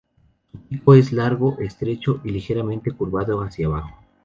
Su pico es largo, estrecho y ligeramente curvado hacia abajo.